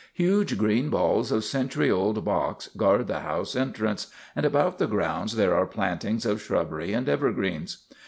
Huge green balls of century old box guard the house entrance and about the grounds there are plantings of shrubbery and evergreens.